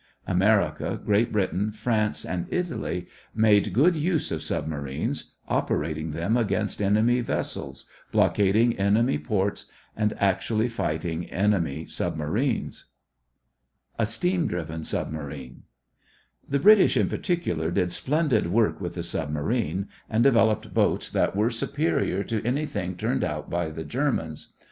America, Great Britain, France, and Italy made good use of submarines, operating them against enemy vessels, blockading enemy ports, and actually fighting enemy submarines. A STEAM DRIVEN SUBMARINE The British in particular did splendid work with the submarine and developed boats that were superior to anything turned out by the Germans.